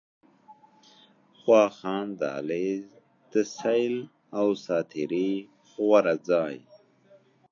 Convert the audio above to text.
واخان دهلېز، د سيل او ساعتري غوره ځای